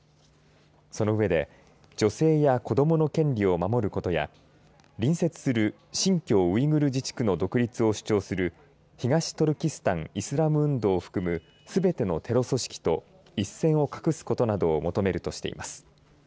その上で女性や子どもの権利を守ることや隣接する新疆ウイグル自治区の独立を主張する東トルキスタンイスラム運動を含むすべてのテロ組織と一線を画すことなどを求めるとしています。